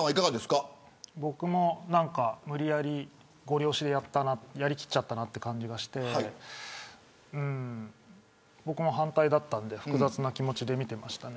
僕も、無理やりごり押しでやり切っちゃったなという感じがして僕も反対だったので複雑な気持ちで見ていました。